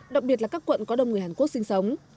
đặc biệt là các quận có đông người hàn quốc sinh sống